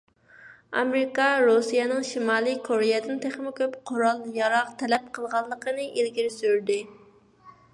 ئامېرىكا رۇسىيەنىڭ شىمالىي كورېيەدىن تېخىمۇ كۆپ قورال-ياراغ تەلەپ قىلغانلىقىنى ئىلگىرى سۈردى.